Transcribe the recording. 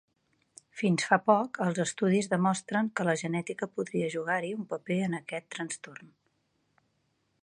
Fins fa poc, els estudis demostren que la genètica podria jugar-hi un paper en aquest trastorn.